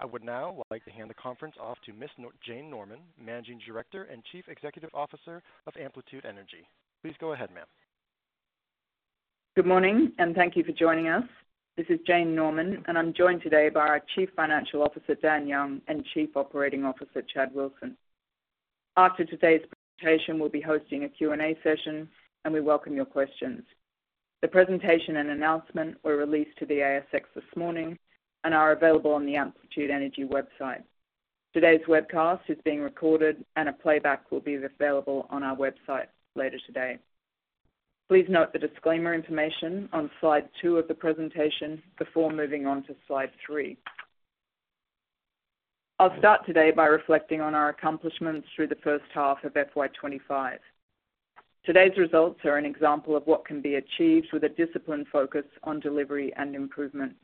I would now like to hand the conference off to Ms. Jane Norman, Managing Director and Chief Executive Officer of Amplitude Energy. Please go ahead, ma'am. Good morning, and thank you for joining us. This is Jane Norman, and I'm joined today by our Chief Financial Officer, Dan Young, and Chief Operating Officer, Chad Wilson. After today's presentation, we'll be hosting a Q&A session, and we welcome your questions. The presentation and announcement were released to the ASX this morning and are available on the Amplitude Energy website. Today's webcast is being recorded, and a playback will be available on our website later today. Please note the disclaimer information on Slide 2 of the presentation before moving on to Slide 3. I'll start today by reflecting on our accomplishments through the first half of FY25. Today's results are an example of what can be achieved with a disciplined focus on delivery and improvement.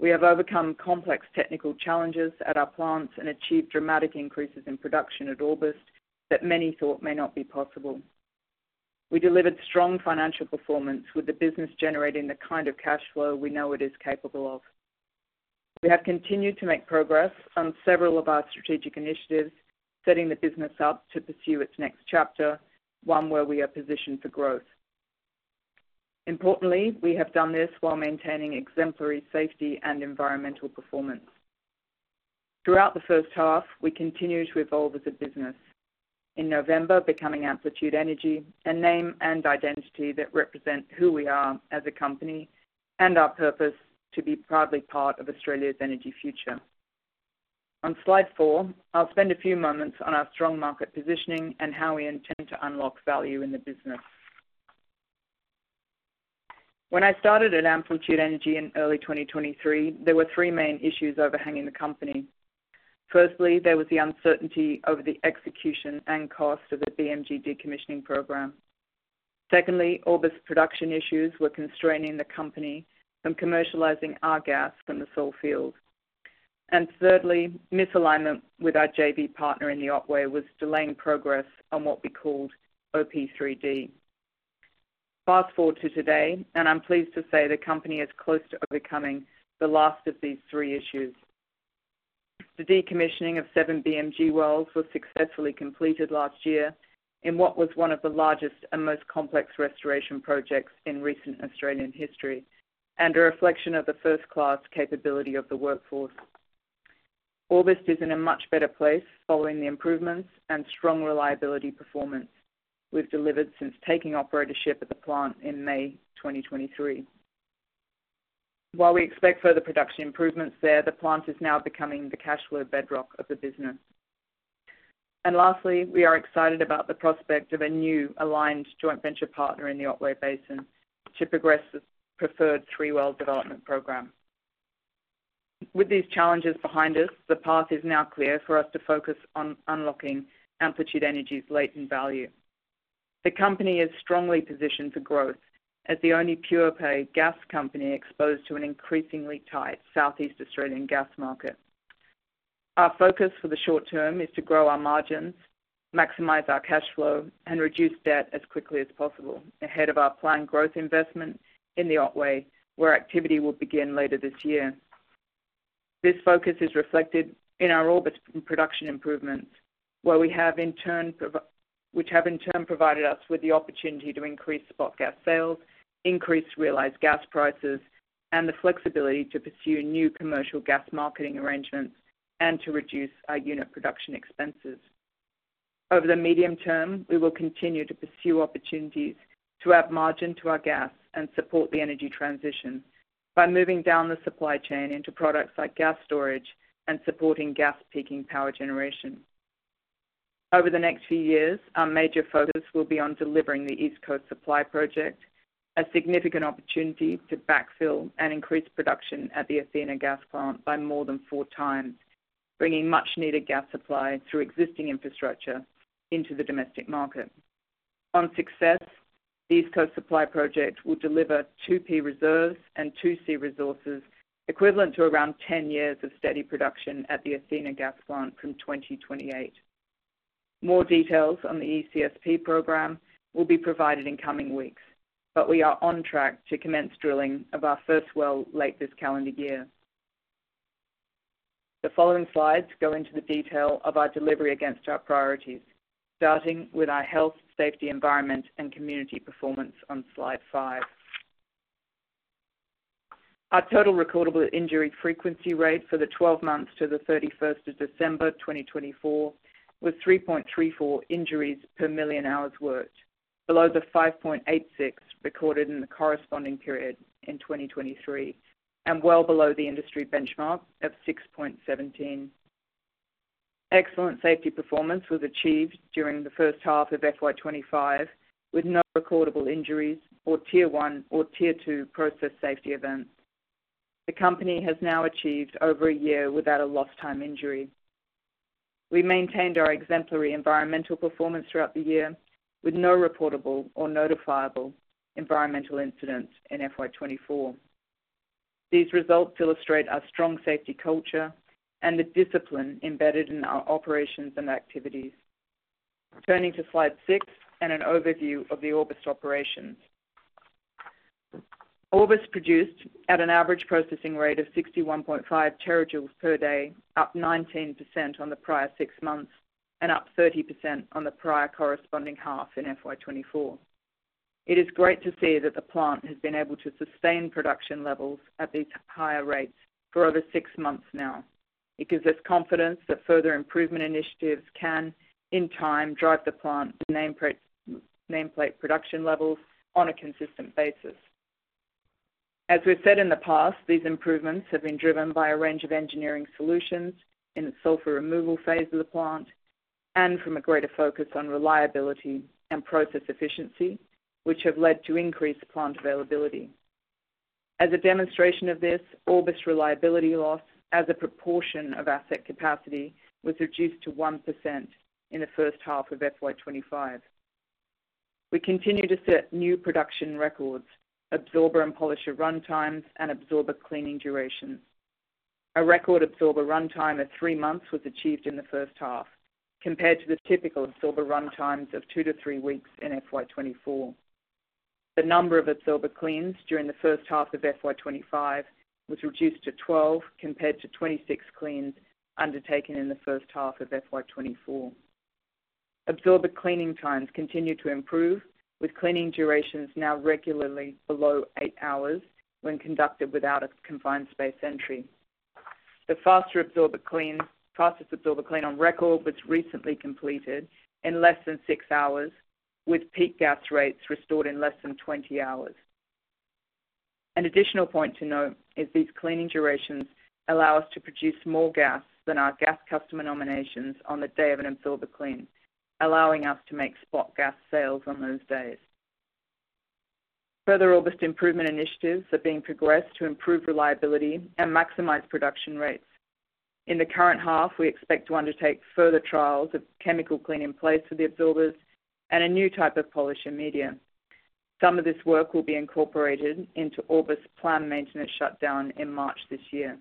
We have overcome complex technical challenges at our plants and achieved dramatic increases in production at Orbost that many thought may not be possible. We delivered strong financial performance, with the business generating the kind of cash flow we know it is capable of. We have continued to make progress on several of our strategic initiatives, setting the business up to pursue its next chapter, one where we are positioned for growth. Importantly, we have done this while maintaining exemplary safety and environmental performance. Throughout the first half, we continued to evolve as a business, in November becoming Amplitude Energy, a name and identity that represent who we are as a company and our purpose to be proudly part of Australia's energy future. On Slide 4, I'll spend a few moments on our strong market positioning and how we intend to unlock value in the business. When I started at Amplitude Energy in early 2023, there were three main issues overhanging the company. Firstly, there was the uncertainty over the execution and cost of the BMG decommissioning program. Secondly, Orbost's production issues were constraining the company from commercializing our gas from the Sole field. And thirdly, misalignment with our JV partner in the Otway was delaying progress on what we called OP3D. Fast forward to today, and I'm pleased to say the company is close to overcoming the last of these three issues. The decommissioning of seven BMG wells was successfully completed last year in what was one of the largest and most complex restoration projects in recent Australian history and a reflection of the first-class capability of the workforce. Orbost is in a much better place following the improvements and strong reliability performance we've delivered since taking operatorship at the plant in May 2023. While we expect further production improvements there, the plant is now becoming the cash flow bedrock of the business. And lastly, we are excited about the prospect of a new aligned joint venture partner in the Otway Basin to progress the preferred three-well development program. With these challenges behind us, the path is now clear for us to focus on unlocking Amplitude Energy's latent value. The company is strongly positioned for growth as the only pure-play gas company exposed to an increasingly tight Southeast Australian gas market. Our focus for the short term is to grow our margins, maximize our cash flow, and reduce debt as quickly as possible ahead of our planned growth investment in the Otway, where activity will begin later this year. This focus is reflected in our August production improvements, which have in turn provided us with the opportunity to increase spot gas sales, increase realized gas prices, and the flexibility to pursue new commercial gas marketing arrangements and to reduce our unit production expenses. Over the medium term, we will continue to pursue opportunities to add margin to our gas and support the energy transition by moving down the supply chain into products like gas storage and supporting gas peaking power generation. Over the next few years, our major focus will be on delivering the East Coast Supply Project, a significant opportunity to backfill and increase production at the Athena Gas Plant by more than four times, bringing much-needed gas supply through existing infrastructure into the domestic market. On success, the East Coast Supply Project will deliver 2P reserves and 2C resources, equivalent to around 10 years of steady production at the Athena Gas Plant from 2028. More details on the ECSP program will be provided in coming weeks, but we are on track to commence drilling of our first well late this calendar year. The following slides go into the detail of our delivery against our priorities, starting with our health, safety, environment, and community performance on Slide 5. Our total recordable injury frequency rate for the 12 months to the 31st of December 2024 was 3.34 injuries per million hours worked, below the 5.86 recorded in the corresponding period in 2023 and well below the industry benchmark of 6.17. Excellent safety performance was achieved during the first half of FY25 with no recordable injuries or tier one or tier two process safety events. The company has now achieved over a year without a lost-time injury. We maintained our exemplary environmental performance throughout the year with no reportable or notifiable environmental incidents in FY24. These results illustrate our strong safety culture and the discipline embedded in our operations and activities. Turning to Slide 6 and an overview of the Orbost operations, Orbost produced at an average processing rate of 61.5 terajoules per day, up 19% on the prior six months and up 30% on the prior corresponding half in FY24. It is great to see that the plant has been able to sustain production levels at these higher rates for over six months now. It gives us confidence that further improvement initiatives can, in time, drive the plant's nameplate production levels on a consistent basis. As we've said in the past, these improvements have been driven by a range of engineering solutions in the sulfur removal phase of the plant and from a greater focus on reliability and process efficiency, which have led to increased plant availability. As a demonstration of this, Orbost reliability loss as a proportion of asset capacity was reduced to 1% in the first half of FY25. We continue to set new production records, absorber and polisher runtimes, and absorber cleaning durations. A record absorber runtime of three months was achieved in the first half compared to the typical absorber runtimes of two to three weeks in FY24. The number of absorber cleans during the first half of FY25 was reduced to 12 compared to 26 cleans undertaken in the first half of FY24. Absorber cleaning times continue to improve, with cleaning durations now regularly below eight hours when conducted without a confined space entry. The faster absorber clean on record was recently completed in less than six hours, with peak gas rates restored in less than 20 hours. An additional point to note is these cleaning durations allow us to produce more gas than our gas customer nominations on the day of an absorber clean, allowing us to make spot gas sales on those days. Further Orbost improvement initiatives are being progressed to improve reliability and maximize production rates. In the current half, we expect to undertake further trials of chemical cleaning plates for the absorbers and a new type of polisher medium. Some of this work will be incorporated into Orbost's planned maintenance shutdown in March this year.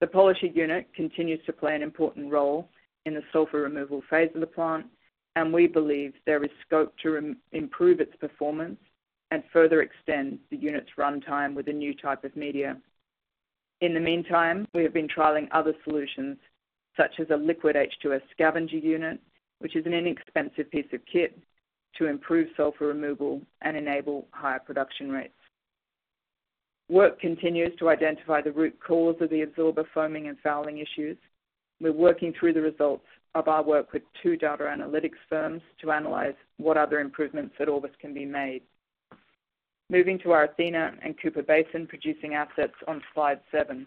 The polisher unit continues to play an important role in the sulfur removal phase of the plant, and we believe there is scope to improve its performance and further extend the unit's runtime with a new type of medium. In the meantime, we have been trialing other solutions, such as a liquid H2S scavenger unit, which is an inexpensive piece of kit to improve sulfur removal and enable higher production rates. Work continues to identify the root cause of the absorber foaming and fouling issues. We're working through the results of our work with two data analytics firms to analyze what other improvements at Orbost can be made. Moving to our Athena and Cooper Basin producing assets on Slide 7.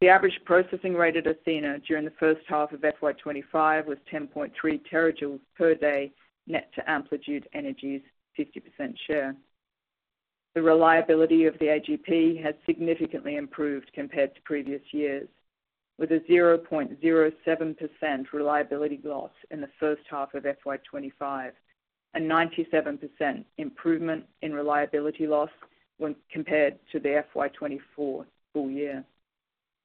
The average processing rate at Athena during the first half of FY25 was 10.3 terajoules per day net to Amplitude Energy's 50% share. The reliability of the AGP has significantly improved compared to previous years, with a 0.07% reliability loss in the first half of FY25, a 97% improvement in reliability loss compared to the FY24 full year.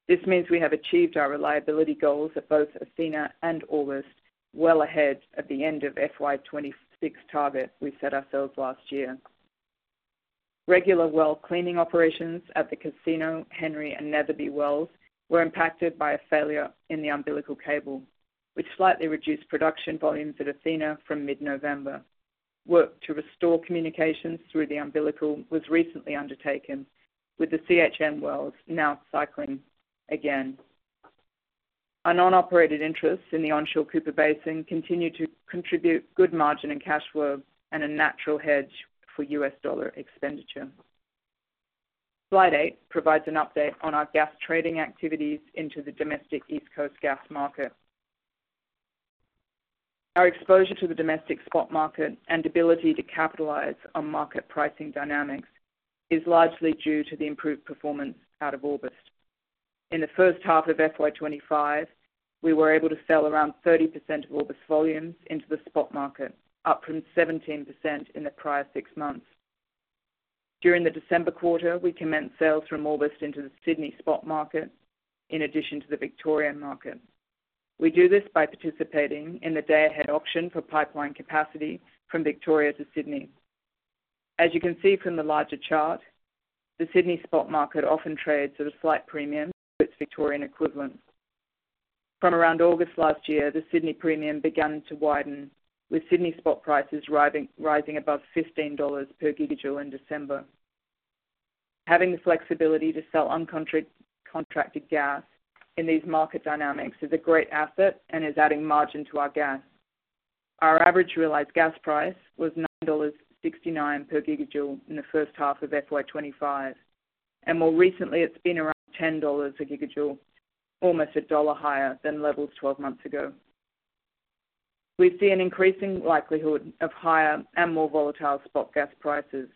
This means we have achieved our reliability goals at both Athena and Orbost, well ahead of the end of FY26 target we set ourselves last year. Regular well cleaning operations at the Casino, Henry, and Netherby wells were impacted by a failure in the umbilical cable, which slightly reduced production volumes at Athena from mid-November. Work to restore communications through the umbilical was recently undertaken, with the CHN wells now cycling again. Our non-operated interests in the onshore Cooper Basin continue to contribute good margin and cash flow and a natural hedge for US dollar expenditure. Slide 8 provides an update on our gas trading activities into the domestic East Coast gas market. Our exposure to the domestic spot market and ability to capitalize on market pricing dynamics is largely due to the improved performance out of Orbost. In the first half of FY25, we were able to sell around 30% of Orbost volumes into the spot market, up from 17% in the prior six months. During the December quarter, we commenced sales from Orbost into the Sydney spot market, in addition to the Victorian market. We do this by participating in the day-ahead auction for pipeline capacity from Victoria to Sydney. As you can see from the larger chart, the Sydney spot market often trades at a slight premium to its Victorian equivalent. From around August last year, the Sydney premium began to widen, with Sydney spot prices rising above 15 dollars per gigajoule in December. Having the flexibility to sell uncontracted gas in these market dynamics is a great asset and is adding margin to our gas. Our average realized gas price was 9.69 dollars per gigajoule in the first half of FY25, and more recently, it's been around 10 dollars per gigajoule, almost a dollar higher than levels 12 months ago. We see an increasing likelihood of higher and more volatile spot gas prices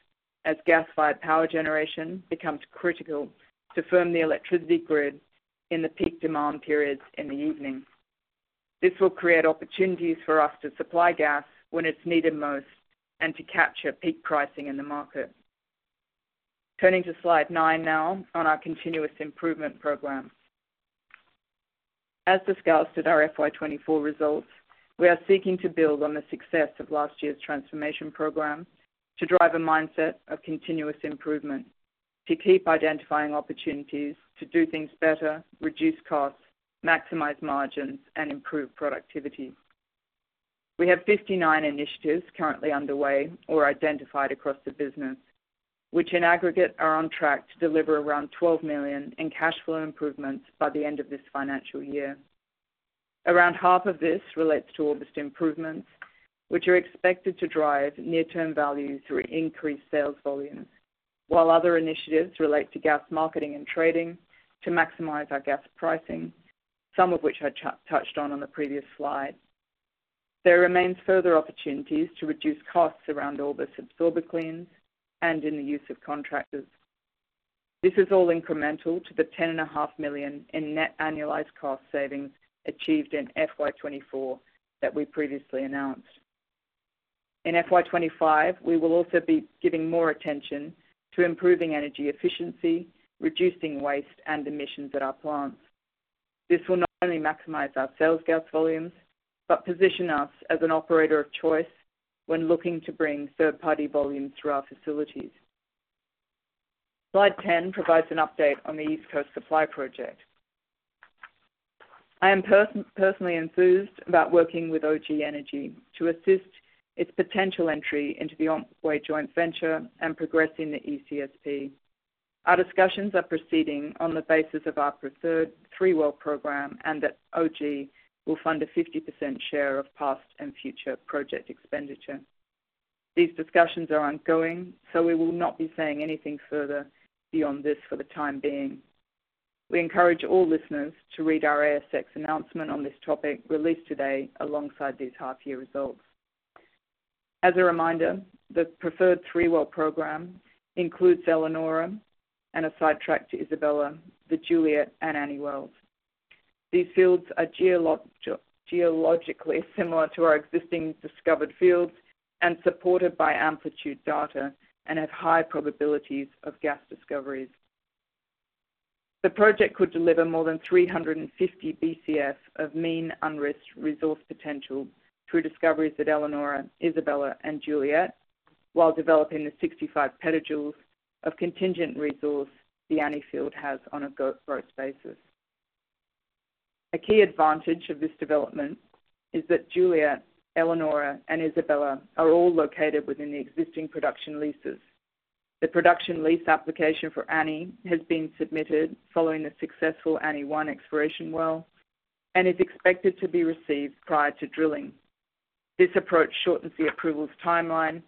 as gas-fired power generation becomes critical to firm the electricity grid in the peak demand periods in the evening. This will create opportunities for us to supply gas when it's needed most and to capture peak pricing in the market. Turning to Slide 9 now on our continuous improvement program. As discussed at our FY24 results, we are seeking to build on the success of last year's transformation program to drive a mindset of continuous improvement, to keep identifying opportunities to do things better, reduce costs, maximize margins, and improve productivity. We have 59 initiatives currently underway or identified across the business, which in aggregate are on track to deliver around 12 million in cash flow improvements by the end of this financial year. Around half of this relates to Orbost improvements, which are expected to drive near-term value through increased sales volumes, while other initiatives relate to gas marketing and trading to maximize our gas pricing, some of which I touched on on the previous slide. There remains further opportunities to reduce costs around Orbost absorber cleans and in the use of contractors. This is all incremental to the 10.5 million in net annualized cost savings achieved in FY24 that we previously announced. In FY25, we will also be giving more attention to improving energy efficiency, reducing waste, and emissions at our plants. This will not only maximize our sales gas volumes, but position us as an operator of choice when looking to bring third-party volumes through our facilities. Slide 10 provides an update on the East Coast Supply Project. I am personally enthused about working with O.G. Energy to assist its potential entry into the Otway joint venture and progressing the ECSP. Our discussions are proceeding on the basis of our preferred three-well program, and OG will fund a 50% share of past and future project expenditure. These discussions are ongoing, so we will not be saying anything further beyond this for the time being. We encourage all listeners to read our ASX announcement on this topic released today alongside these half-year results. As a reminder, the preferred three-well program includes Elanora and a side track to Isabella, the Juliet, and Annie well. These fields are geologically similar to our existing discovered fields and supported by amplitude data and have high probabilities of gas discoveries. The project could deliver more than 350 BCF of mean unrisked resource potential through discoveries at Elanora, Isabella, and Juliet, while developing the 65 petajoules of contingent resource the Annie field has on a gross basis. A key advantage of this development is that Juliet, Elanora, and Isabella are all located within the existing production leases. The production lease application for Annie has been submitted following the successful Annie-1 exploration well and is expected to be received prior to drilling. This approach shortens the approvals timeline,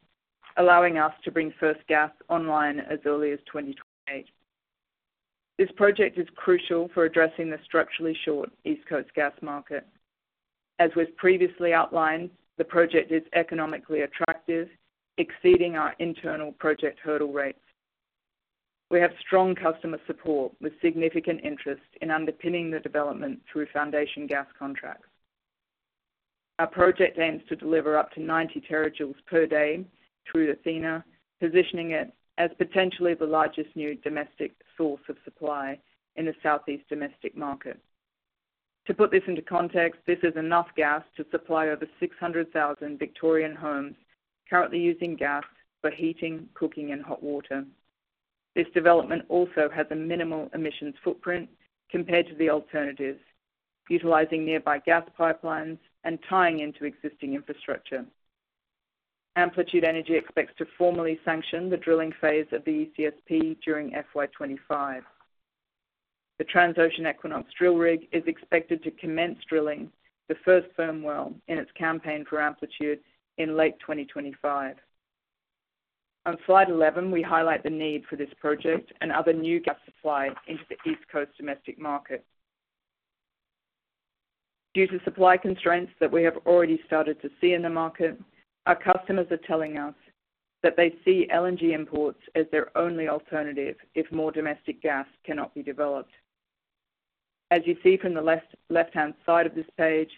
allowing us to bring first gas online as early as 2028. This project is crucial for addressing the structurally short East Coast gas market. As was previously outlined, the project is economically attractive, exceeding our internal project hurdle rates. We have strong customer support with significant interest in underpinning the development through foundation gas contracts. Our project aims to deliver up to 90 terajoules per day through Athena, positioning it as potentially the largest new domestic source of supply in the Southeast domestic market. To put this into context, this is enough gas to supply over 600,000 Victorian homes currently using gas for heating, cooking, and hot water. This development also has a minimal emissions footprint compared to the alternatives, utilizing nearby gas pipelines and tying into existing infrastructure. Amplitude Energy expects to formally sanction the drilling phase of the ECSP during FY25. The Transocean Equinox drill rig is expected to commence drilling the first firm well in its campaign for Amplitude in late 2025. On Slide 11, we highlight the need for this project and other new gas supply into the East Coast domestic market. Due to supply constraints that we have already started to see in the market, our customers are telling us that they see LNG imports as their only alternative if more domestic gas cannot be developed. As you see from the left-hand side of this page,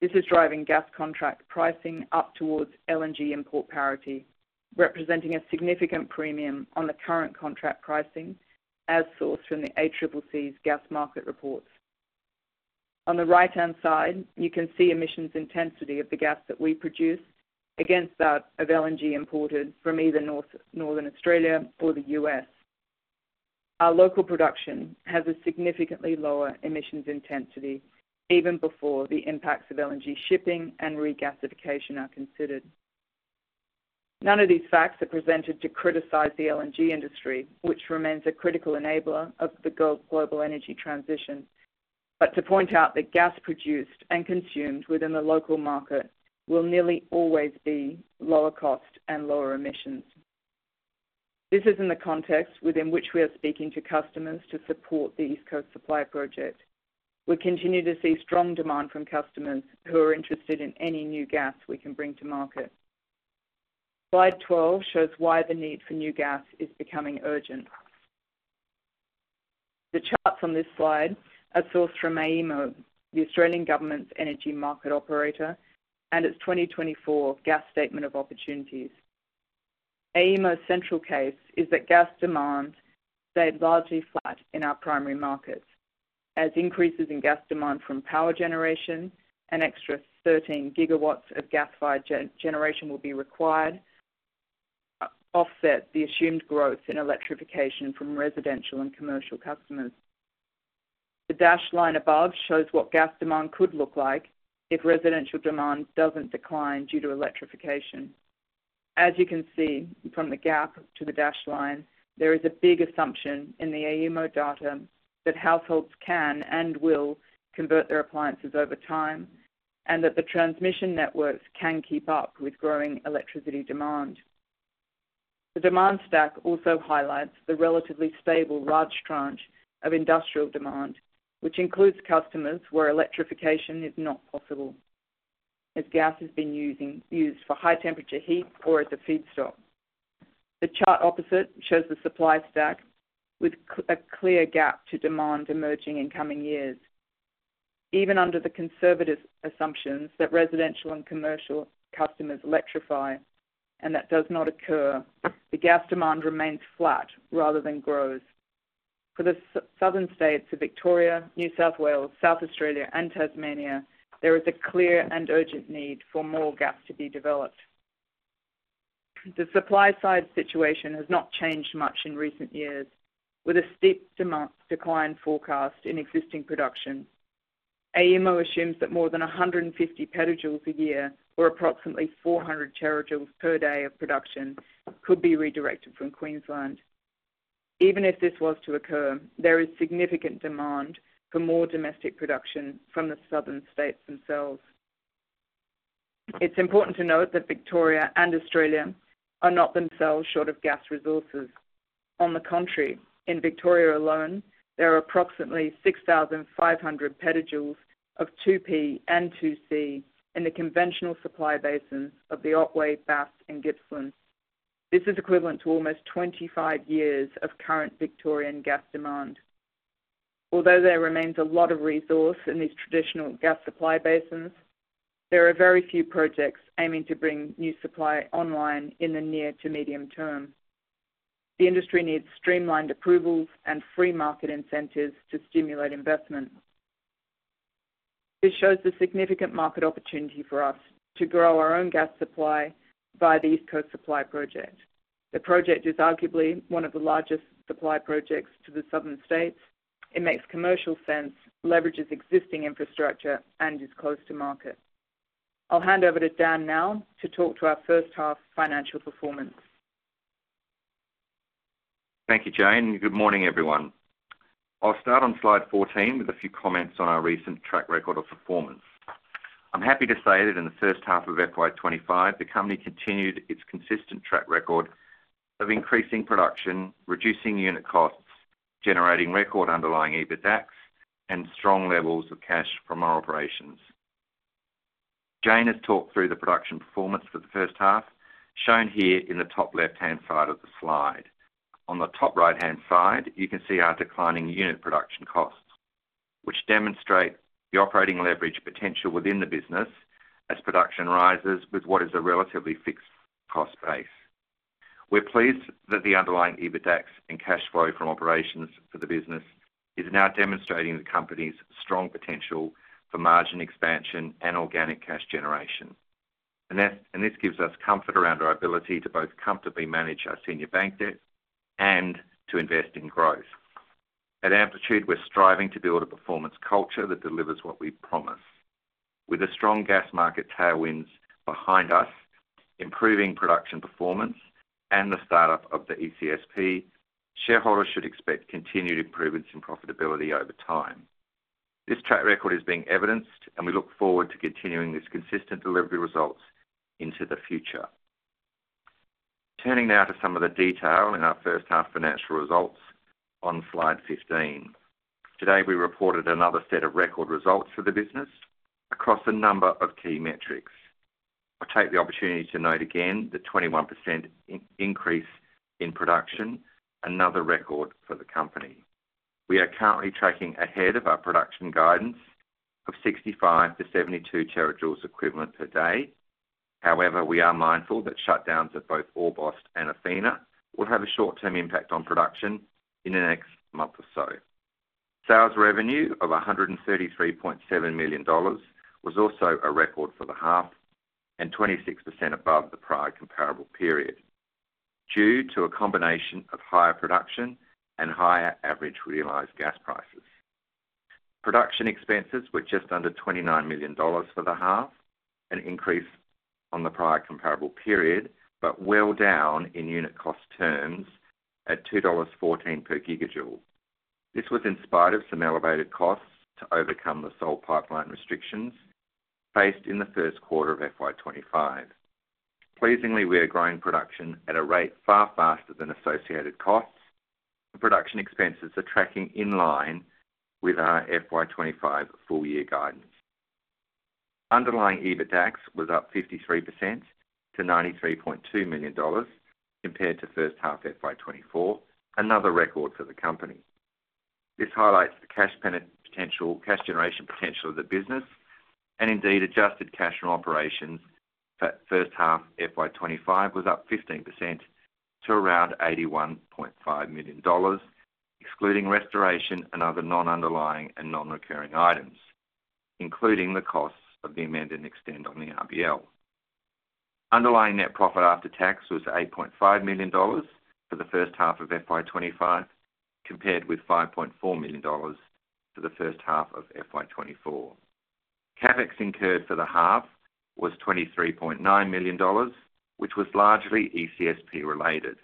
this is driving gas contract pricing up towards LNG import parity, representing a significant premium on the current contract pricing as sourced from the ACCC's gas market reports. On the right-hand side, you can see emissions intensity of the gas that we produce against that of LNG imported from either Northern Australia or the U.S. Our local production has a significantly lower emissions intensity, even before the impacts of LNG shipping and regasification are considered. None of these facts are presented to criticize the LNG industry, which remains a critical enabler of the global energy transition, but to point out that gas produced and consumed within the local market will nearly always be lower cost and lower emissions. This is in the context within which we are speaking to customers to support the East Coast Supply Project. We continue to see strong demand from customers who are interested in any new gas we can bring to market. Slide 12 shows why the need for new gas is becoming urgent. The charts on this slide are sourced from AEMO, the Australian government's energy market operator, and its 2024 gas statement of opportunities. AEMO's central case is that gas demand stayed largely flat in our primary markets, as increases in gas demand from power generation and extra 13 gigawatts of gas-fired generation will be required to offset the assumed growth in electrification from residential and commercial customers. The dashed line above shows what gas demand could look like if residential demand doesn't decline due to electrification. As you can see from the gap to the dashed line, there is a big assumption in the AEMO data that households can and will convert their appliances over time and that the transmission networks can keep up with growing electricity demand. The demand stack also highlights the relatively stable large tranche of industrial demand, which includes customers where electrification is not possible, as gas has been used for high-temperature heat or as a feedstock. The chart opposite shows the supply stack with a clear gap to demand emerging in coming years. Even under the conservative assumptions that residential and commercial customers electrify and that does not occur, the gas demand remains flat rather than grows. For the southern states of Victoria, New South Wales, South Australia, and Tasmania, there is a clear and urgent need for more gas to be developed. The supply-side situation has not changed much in recent years, with a steep decline forecast in existing production. AEMO assumes that more than 150 petajoules a year, or approximately 400 terajoules per day of production, could be redirected from Queensland. Even if this was to occur, there is significant demand for more domestic production from the southern states themselves. It's important to note that Victoria and Australia are not themselves short of gas resources. On the contrary, in Victoria alone, there are approximately 6,500 petajoules of 2P and 2C in the conventional supply basins of the Otway, Bass, and Gippsland. This is equivalent to almost 25 years of current Victorian gas demand. Although there remains a lot of resource in these traditional gas supply basins, there are very few projects aiming to bring new supply online in the near to medium term. The industry needs streamlined approvals and free market incentives to stimulate investment. This shows the significant market opportunity for us to grow our own gas supply via the East Coast Supply Project. The project is arguably one of the largest supply projects to the southern states. It makes commercial sense, leverages existing infrastructure, and is close to market. I'll hand over to Dan now to talk to our first half financial performance. Thank you, Jane. Good morning, everyone. I'll start on Slide 14 with a few comments on our recent track record of performance. I'm happy to say that in the first half of FY25, the company continued its consistent track record of increasing production, reducing unit costs, generating record underlying EBITDAX, and strong levels of cash from our operations. Jane has talked through the production performance for the first half, shown here in the top left-hand side of the slide. On the top right-hand side, you can see our declining unit production costs, which demonstrate the operating leverage potential within the business as production rises with what is a relatively fixed cost base. We're pleased that the underlying EBITDAX and cash flow from operations for the business is now demonstrating the company's strong potential for margin expansion and organic cash generation. This gives us comfort around our ability to both comfortably manage our senior bank debt and to invest in growth. At Amplitude, we're striving to build a performance culture that delivers what we promise. With a strong gas market tailwinds behind us, improving production performance, and the startup of the ECSP, shareholders should expect continued improvements in profitability over time. This track record is being evidenced, and we look forward to continuing this consistent delivery results into the future. Turning now to some of the detail in our first half financial results on Slide 15. Today, we reported another set of record results for the business across a number of key metrics. I'll take the opportunity to note again the 21% increase in production, another record for the company. We are currently tracking ahead of our production guidance of 65-72 terajoules equivalent per day. However, we are mindful that shutdowns at both Orbost and Athena will have a short-term impact on production in the next month or so. Sales revenue of 133.7 million dollars was also a record for the half and 26% above the prior comparable period, due to a combination of higher production and higher average realized gas prices. Production expenses were just under 29 million dollars for the half, an increase on the prior comparable period, but well down in unit cost terms at 2.14 dollars per gigajoule. This was in spite of some elevated costs to overcome the Sole pipeline restrictions faced in the first quarter of FY25. Pleasingly, we are growing production at a rate far faster than associated costs, and production expenses are tracking in line with our FY25 full-year guidance. Underlying EBITDAX was up 53% to 93.2 million dollars compared to first half FY24, another record for the company. This highlights the cash generation potential of the business, and indeed, adjusted cash from operations for first half FY25 was up 15% to around 81.5 million dollars, excluding restoration and other non-underlying and non-recurring items, including the costs of the amended and extended on the RBL. Underlying net profit after tax was 8.5 million dollars for the first half of FY25, compared with 5.4 million dollars for the first half of FY24. CapEx incurred for the half was 23.9 million dollars, which was largely ECSP-related.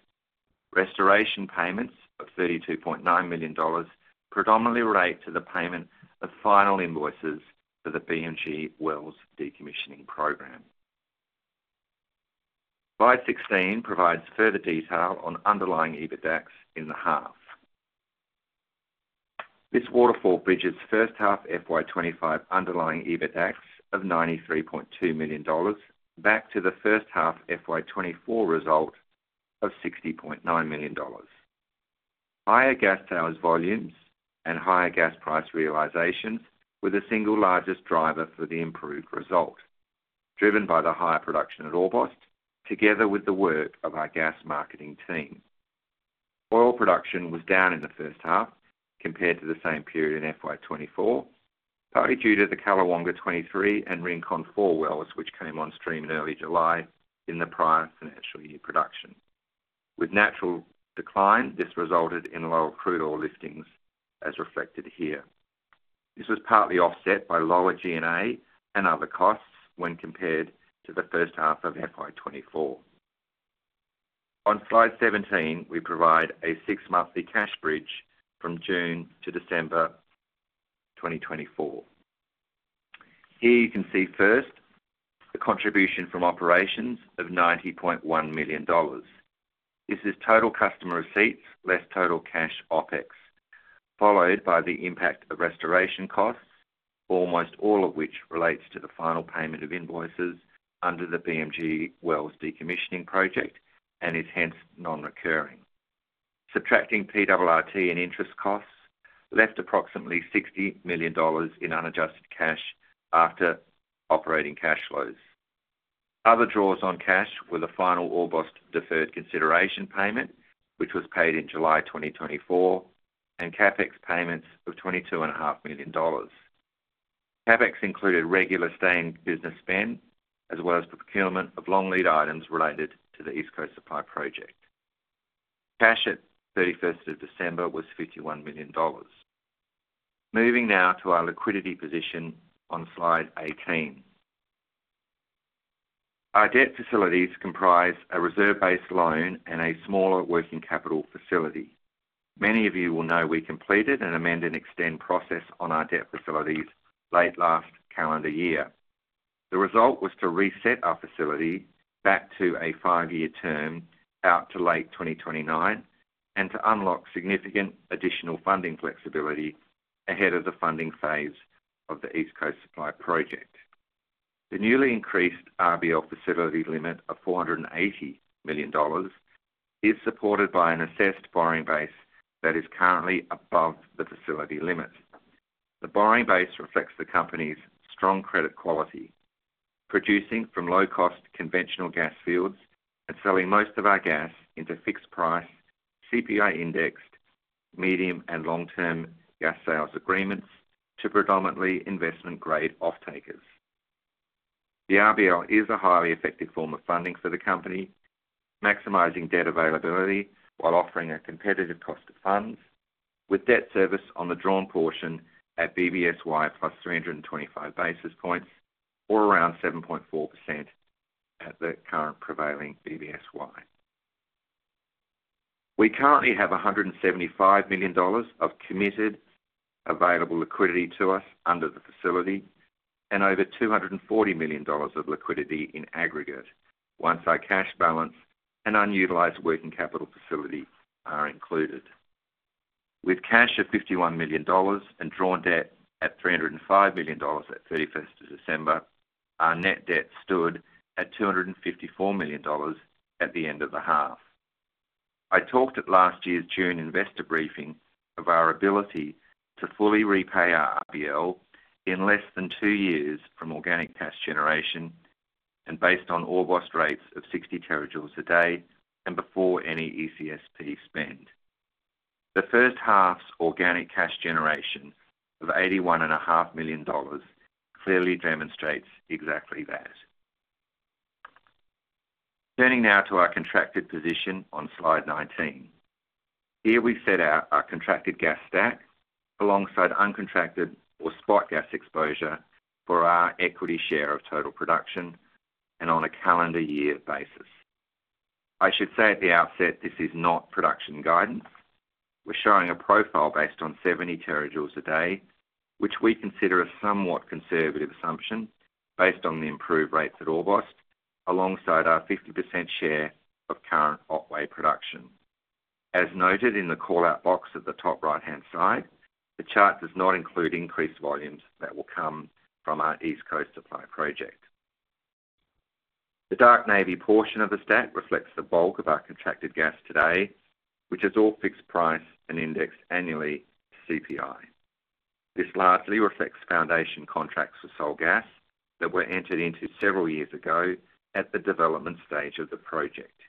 Restoration payments of 32.9 million dollars predominantly relate to the payment of final invoices for the BMG Wells decommissioning program. Slide 16 provides further detail on underlying EBITDAX in the half. This waterfall bridges first half FY25 underlying EBITDAX of 93.2 million dollars back to the first half FY24 result of 60.9 million dollars. Higher gas sales volumes and higher gas price realizations were the single largest driver for the improved result, driven by the higher production at Orbost, together with the work of our gas marketing team. Oil production was down in the first half compared to the same period in FY24, partly due to the Callawonga 23 and Rincon 4 wells, which came on stream in early July in the prior financial year production. With natural decline, this resulted in lower crude oil liftings, as reflected here. This was partly offset by lower G&A and other costs when compared to the first half of FY24. On Slide 17, we provide a six-monthly cash bridge from June to December 2024. Here you can see first the contribution from operations of 90.1 million dollars. This is total customer receipts less total cash OPEX, followed by the impact of restoration costs, almost all of which relates to the final payment of invoices under the BMG Wells decommissioning project and is hence non-recurring. Subtracting PRRT and interest costs left approximately 60 million dollars in unadjusted cash after operating cash flows. Other draws on cash were the final Orbost deferred consideration payment, which was paid in July 2024, and CapEx payments of 22.5 million dollars. CapEx included regular sustaining business spend as well as procurement of long lead items related to the East Coast Supply Project. Cash at 31st of December was 51 million dollars. Moving now to our liquidity position on Slide 18. Our debt facilities comprise a reserve-based loan and a smaller working capital facility. Many of you will know we completed an amended and extend process on our debt facilities late last calendar year. The result was to reset our facility back to a five-year term out to late 2029 and to unlock significant additional funding flexibility ahead of the funding phase of the East Coast Supply Project. The newly increased RBL facility limit of 480 million dollars is supported by an assessed borrowing base that is currently above the facility limit. The borrowing base reflects the company's strong credit quality, producing from low-cost conventional gas fields and selling most of our gas into fixed-price, CPI-indexed, medium, and long-term gas sales agreements to predominantly investment-grade off-takers. The RBL is a highly effective form of funding for the company, maximizing debt availability while offering a competitive cost of funds, with debt service on the drawn portion at BBSY plus 325 basis points, or around 7.4% at the current prevailing BBSY. We currently have 175 million dollars of committed available liquidity to us under the facility and over 240 million dollars of liquidity in aggregate, once our cash balance and unutilized working capital facility are included. With cash of 51 million dollars and drawn debt at 305 million dollars at 31st of December, our net debt stood at 254 million dollars at the end of the half. I talked at last year's June investor briefing of our ability to fully repay our RBL in less than two years from organic cash generation and based on Orbost rates of 60 terajoules a day and before any ECSP spend. The first half's organic cash generation of 81.5 million dollars clearly demonstrates exactly that. Turning now to our contracted position on Slide 19. Here we set out our contracted gas stack alongside uncontracted or spot gas exposure for our equity share of total production and on a calendar year basis. I should say at the outset, this is not production guidance. We're showing a profile based on 70 terajoules a day, which we consider a somewhat conservative assumption based on the improved rates at Orbost alongside our 50% share of current Otway production. As noted in the callout box at the top right-hand side, the chart does not include increased volumes that will come from our East Coast Supply Project. The dark navy portion of the stack reflects the bulk of our contracted gas today, which is all fixed-price and indexed annually to CPI. This largely reflects foundation contracts for Sole gas that were entered into several years ago at the development stage of the project.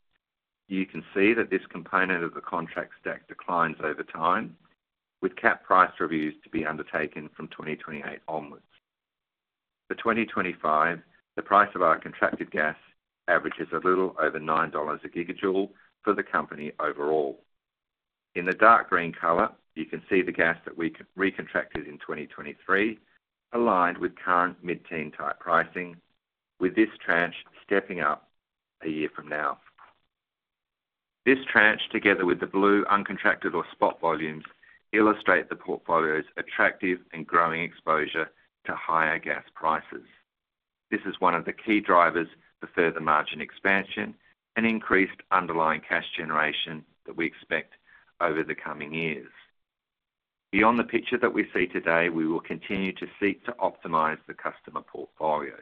You can see that this component of the contract stack declines over time, with cap price reviews to be undertaken from 2028 onwards. For 2025, the price of our contracted gas averages a little over 9 dollars a gigajoule for the company overall. In the dark green color, you can see the gas that we recontacted in 2023 aligned with current mid-teen type pricing, with this tranche stepping up a year from now. This tranche, together with the blue uncontracted or spot volumes, illustrate the portfolio's attractive and growing exposure to higher gas prices. This is one of the key drivers for further margin expansion and increased underlying cash generation that we expect over the coming years. Beyond the picture that we see today, we will continue to seek to optimize the customer portfolio.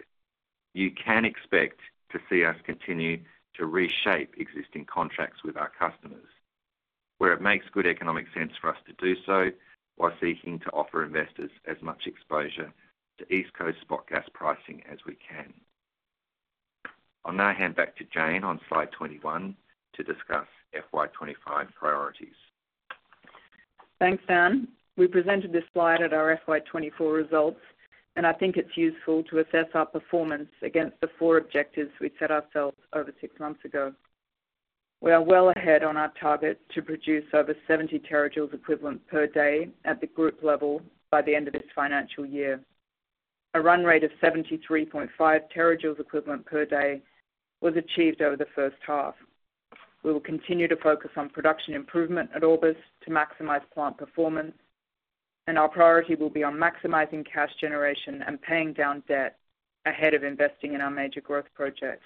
You can expect to see us continue to reshape existing contracts with our customers, where it makes good economic sense for us to do so while seeking to offer investors as much exposure to East Coast spot gas pricing as we can. I'll now hand back to Jane on Slide 21 to discuss FY25 priorities. Thanks, Dan. We presented this slide at our FY24 results, and I think it's useful to assess our performance against the four objectives we set ourselves over six months ago. We are well ahead on our target to produce over 70 terajoules equivalent per day at the group level by the end of this financial year. A run rate of 73.5 terajoules equivalent per day was achieved over the first half. We will continue to focus on production improvement at Orbost to maximize plant performance, and our priority will be on maximizing cash generation and paying down debt ahead of investing in our major growth project.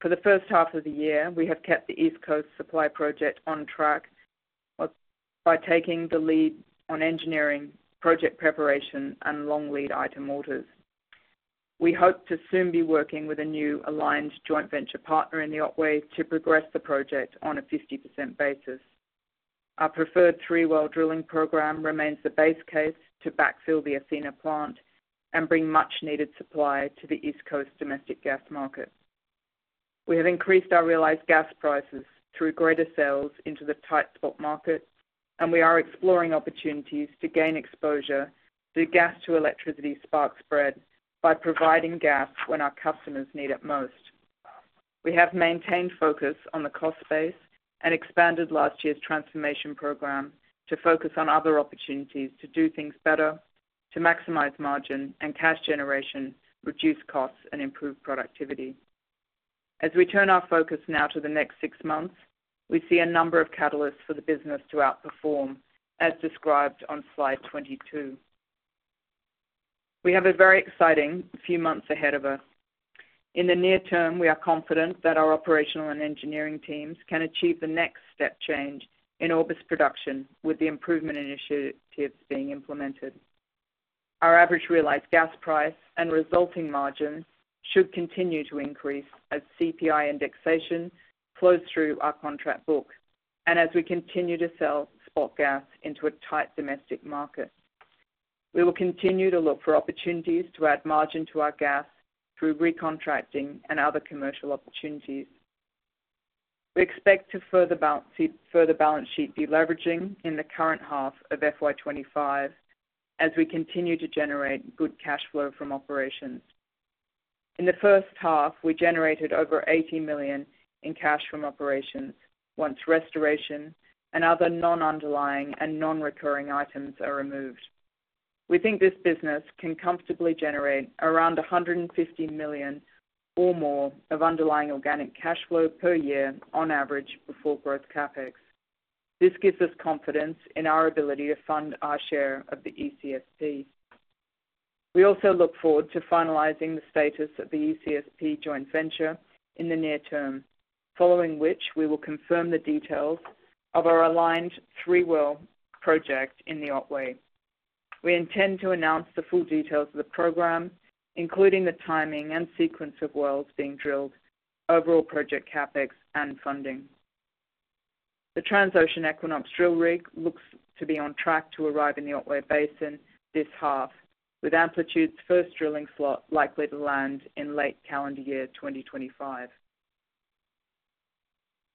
For the first half of the year, we have kept the East Coast Supply Project on track by taking the lead on engineering, project preparation, and long lead item orders. We hope to soon be working with a new aligned joint venture partner in the Otway to progress the project on a 50% basis. Our preferred three-well drilling program remains the base case to backfill the Athena plant and bring much-needed supply to the East Coast domestic gas market. We have increased our realized gas prices through greater sales into the tight spot market, and we are exploring opportunities to gain exposure to gas-to-electricity spark spread by providing gas when our customers need it most. We have maintained focus on the cost base and expanded last year's transformation program to focus on other opportunities to do things better to maximize margin and cash generation, reduce costs, and improve productivity. As we turn our focus now to the next six months, we see a number of catalysts for the business to outperform, as described on Slide 22. We have a very exciting few months ahead of us. In the near term, we are confident that our operational and engineering teams can achieve the next step change in Orbost production, with the improvement initiatives being implemented. Our average realized gas price and resulting margin should continue to increase as CPI indexation flows through our contract book and as we continue to sell spot gas into a tight domestic market. We will continue to look for opportunities to add margin to our gas through recontracting and other commercial opportunities. We expect to further deleverage the balance sheet in the current half of FY25 as we continue to generate good cash flow from operations. In the first half, we generated over 80 million in cash from operations once restoration and other non-underlying and non-recurring items are removed. We think this business can comfortably generate around 150 million or more of underlying organic cash flow per year on average before growth CapEx. This gives us confidence in our ability to fund our share of the ECSP. We also look forward to finalizing the status of the ECSP joint venture in the near term, following which we will confirm the details of our OP3D project in the Otway. We intend to announce the full details of the program, including the timing and sequence of wells being drilled, overall project CapEx, and funding. The Transocean Equinox drill rig looks to be on track to arrive in the Otway Basin this half, with Amplitude's first drilling slot likely to land in late calendar year 2025.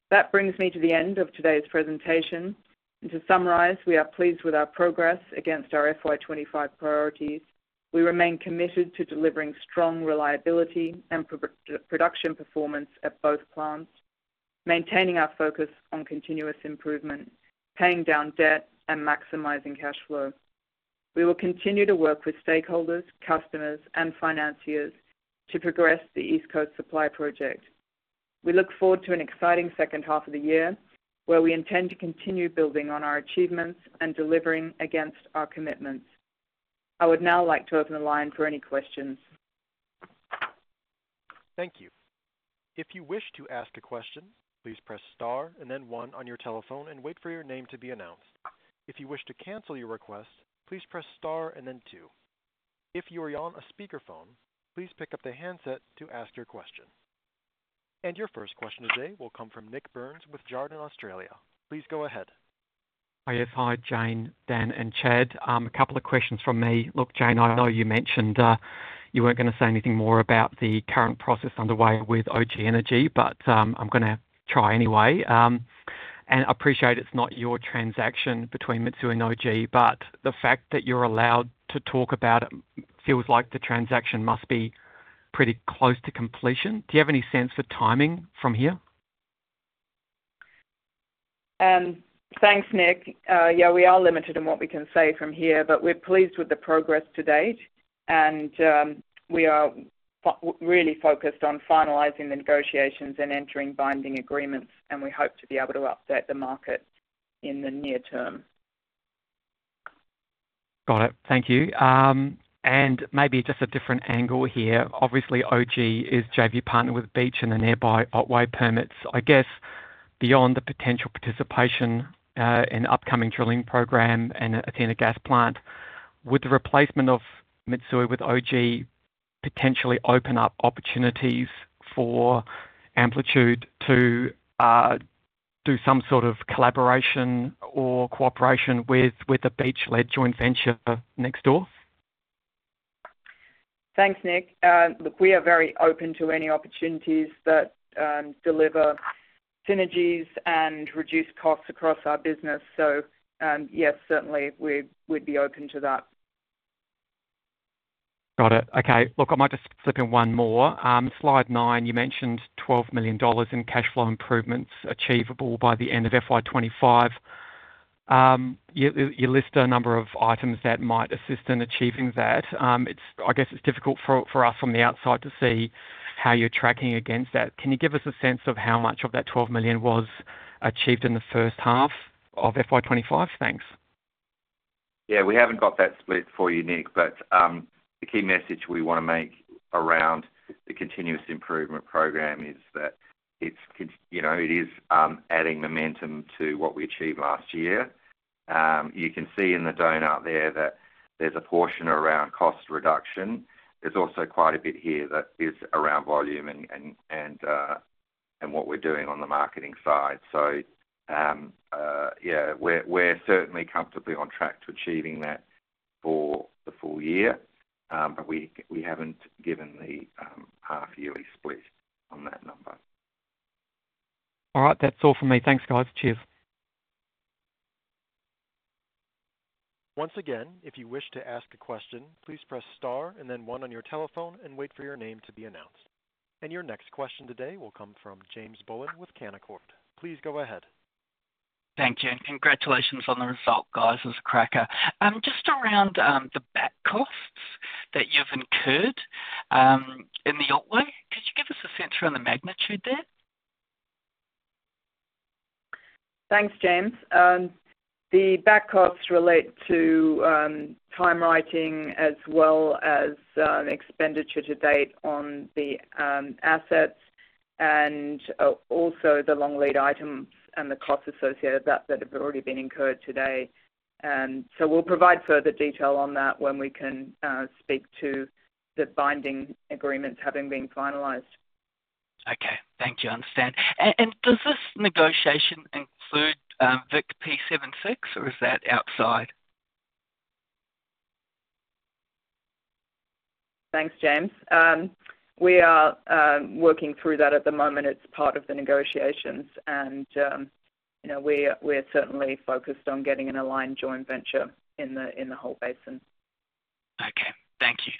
That brings me to the end of today's presentation. To summarize, we are pleased with our progress against our FY25 priorities. We remain committed to delivering strong reliability and production performance at both plants, maintaining our focus on continuous improvement, paying down debt, and maximizing cash flow. We will continue to work with stakeholders, customers, and financiers to progress the East Coast Supply Project. We look forward to an exciting second half of the year, where we intend to continue building on our achievements and delivering against our commitments. I would now like to open the line for any questions. Thank you. If you wish to ask a question, please press star and then one on your telephone and wait for your name to be announced. If you wish to cancel your request, please press star and then two. If you are on a speakerphone, please pick up the handset to ask your question. And your first question today will come from Nik Burns with Jarden Australia. Please go ahead. Hi, everyone, Jane, Dan, and Chad. A couple of questions from me. Look, Jane, I know you mentioned you weren't going to say anything more about the current process underway with O.G. Energy, but I'm going to try anyway. And I appreciate it's not your transaction between Mitsui and OG, but the fact that you're allowed to talk about it feels like the transaction must be pretty close to completion. Do you have any sense for timing from here? Thanks, Nik. Yeah, we are limited in what we can say from here, but we're pleased with the progress to date, and we are really focused on finalizing the negotiations and entering binding agreements, and we hope to be able to update the market in the near term. Got it. Thank you. And maybe just a different angle here. Obviously, OG is JV partner with Beach and the nearby Otway permits. I guess beyond the potential participation in an upcoming drilling program and Athena Gas Plant, would the replacement of Mitsui with OG potentially open up opportunities for Amplitude to do some sort of collaboration or cooperation with the Beach-led joint venture next door? Thanks, Nik. Look, we are very open to any opportunities that deliver synergies and reduce costs across our business. So yes, certainly, we'd be open to that. Got it. Okay. Look, I might just slip in one more. Slide 9, you mentioned 12 million dollars in cash flow improvements achievable by the end of FY25. You list a number of items that might assist in achieving that. I guess it's difficult for us from the outside to see how you're tracking against that. Can you give us a sense of how much of that 12 million was achieved in the first half of FY25? Thanks. Yeah, we haven't got that split for you, Nik, but the key message we want to make around the continuous improvement program is that it is adding momentum to what we achieved last year. You can see in the donut there that there's a portion around cost reduction. There's also quite a bit here that is around volume and what we're doing on the marketing side. So yeah, we're certainly comfortably on track to achieving that for the full year, but we haven't given the half-yearly split on that number. All right. That's all from me. Thanks, guys. Cheers. Once again, if you wish to ask a question, please press star and then one on your telephone and wait for your name to be announced. Your next question today will come from James Bullen with Canaccord. Please go ahead. Thank you. And congratulations on the result, guys. It was a cracker. Just around the back costs that you've incurred in the Otway, could you give us a sense around the magnitude there? Thanks, James. The back costs relate to time writing as well as expenditure to date on the assets and also the long lead items and the costs associated with that that have already been incurred today. So we'll provide further detail on that when we can speak to the binding agreements having been finalized. Okay. Thank you. I understand. And does this negotiation include VIC/P76, or is that outside? Thanks, James. We are working through that at the moment. It's part of the negotiations, and we're certainly focused on getting an aligned joint venture in the whole basin. Okay. Thank you.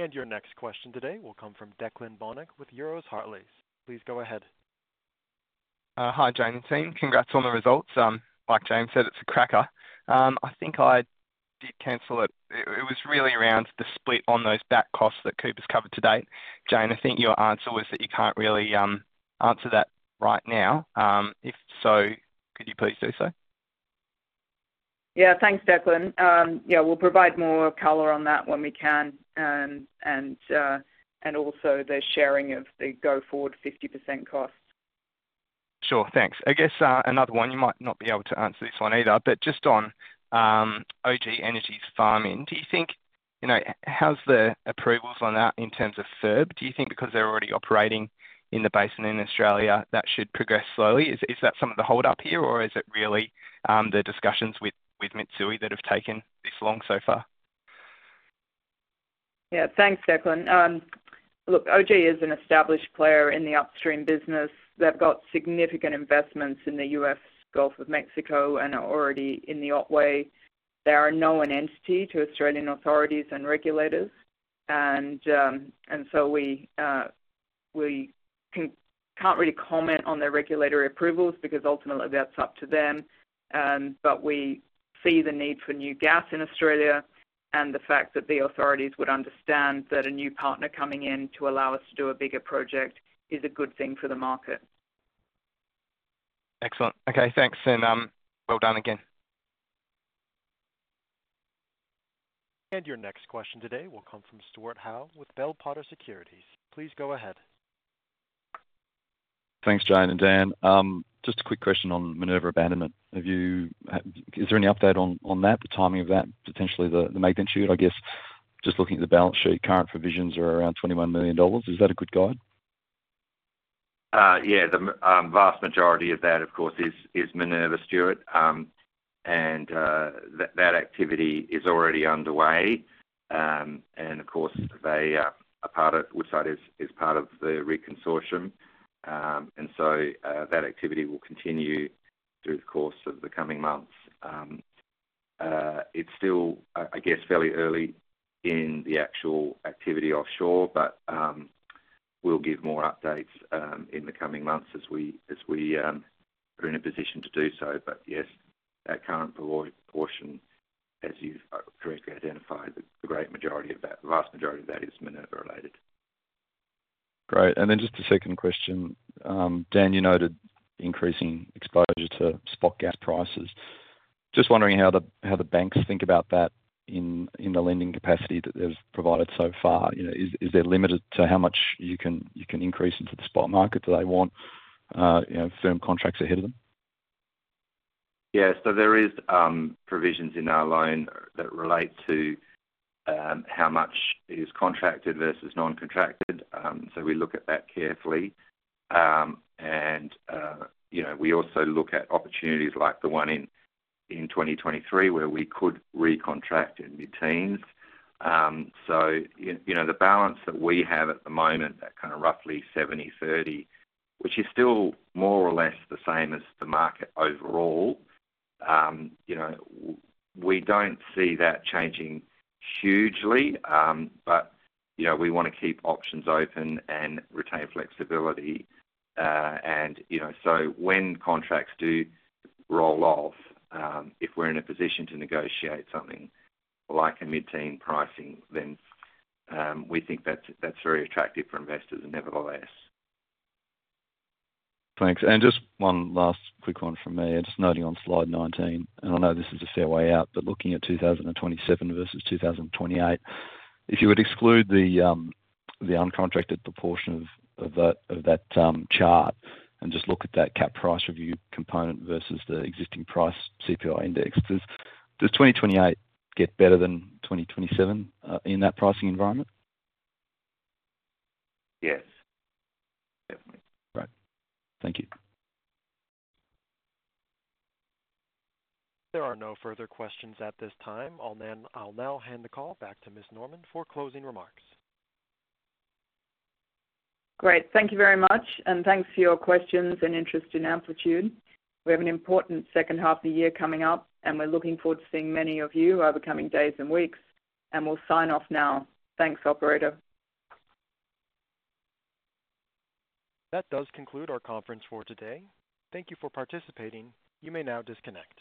And your next question today will come from Declan Bonnick with Euroz Hartleys. Please go ahead. Hi, James. Congrats on the results. Like James said, it's a cracker. I think I did cancel it. It was really around the split on those back costs that Cooper's covered to date. Jane, I think your answer was that you can't really answer that right now. If so, could you please do so? Yeah. Thanks, Declan. Yeah, we'll provide more color on that when we can. And also the sharing of the go-forward 50% costs. Sure. Thanks. I guess another one. You might not be able to answer this one either, but just on O.G. Energy's farming, do you think how's the approvals on that in terms of FIRB? Do you think because they're already operating in the basin in Australia, that should progress slowly? Is that some of the hold-up here, or is it really the discussions with Mitsui that have taken this long so far? Yeah. Thanks, Declan. Look, OG is an established player in the upstream business. They've got significant investments in the U.S. Gulf of Mexico and are already in the Otway. They are a known entity to Australian authorities and regulators. And so we can't really comment on their regulatory approvals because ultimately that's up to them. But we see the need for new gas in Australia and the fact that the authorities would understand that a new partner coming in to allow us to do a bigger project is a good thing for the market. Excellent. Okay. Thanks, and well done again. And your next question today will come from Stuart Howe with Bell Potter Securities. Please go ahead. Thanks, Jane and Dan. Just a quick question on Minerva abandonment. Is there any update on that, the timing of that, potentially the magnitude, I guess? Just looking at the balance sheet, current provisions are around 21 million dollars. Is that a good guide? Yeah. The vast majority of that, of course, is Minerva, Stuart and that activity is already underway. And of course, a part of Woodside is part of the rig consortium. And so that activity will continue through the course of the coming months. It's still, I guess, fairly early in the actual activity offshore, but we'll give more updates in the coming months as we are in a position to do so. But yes, that current portion, as you've correctly identified, the great majority of that, the vast majority of that is Minerva-related. Great. And then just a second question. Dan, you noted increasing exposure to spot gas prices. Just wondering how the banks think about that in the lending capacity that they've provided so far? Is there a limit to how much you can increase into the spot market that they want firm contracts ahead of them? Yeah. So there are provisions in our loan that relate to how much is contracted versus non-contracted. So we look at that carefully. And we also look at opportunities like the one in 2023 where we could recontract in 2018. So the balance that we have at the moment, that kind of roughly 70/30, which is still more or less the same as the market overall, we don't see that changing hugely. But we want to keep options open and retain flexibility. And so when contracts do roll off, if we're in a position to negotiate something like a mid-teen pricing, then we think that's very attractive for investors and nevertheless. Thanks. And just one last quick one from me. Just noting on Slide 19, and I know this is a fair way out, but looking at 2027 versus 2028, if you would exclude the uncontracted proportion of that chart and just look at that cap price review component versus the existing price CPI index, does 2028 get better than 2027 in that pricing environment? Yes. Definitely. Great. Thank you. There are no further questions at this time. I'll now hand the call back to Ms. Norman for closing remarks. Great. Thank you very much. And thanks for your questions and interest in Amplitude. We have an important second half of the year coming up, and we're looking forward to seeing many of you over the coming days and weeks. And we'll sign off now. Thanks, operator. That does conclude our conference for today. Thank you for participating. You may now disconnect.